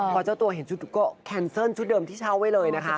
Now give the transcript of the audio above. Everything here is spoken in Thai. พอเจ้าตัวเห็นชุดโก้แคนเซิลชุดเดิมที่เช่าไว้เลยนะคะ